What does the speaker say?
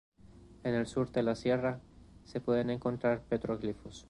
En el sur de la sierra se pueden encontrar petroglifos.